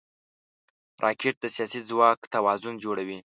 راکټ د سیاسي ځواک توازن جوړوي